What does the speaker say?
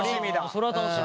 それは楽しみ。